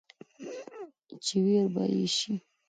چې وېر به يې شي ،